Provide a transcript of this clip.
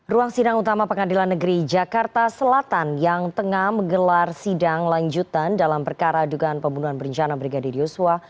ruang sidang utama pengadilan negeri jakarta selatan yang tengah menggelar sidang lanjutan dalam perkara dugaan pembunuhan berencana brigadir yosua